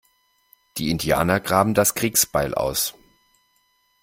Die Indianer graben das Kriegsbeil aus.